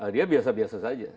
dia biasa biasa saja